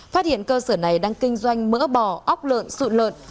phát hiện cơ sở này đang kinh doanh mỡ bò ốc lợn sụn lợn